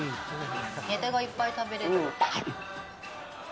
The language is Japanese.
ネタがいっぱい食べれる。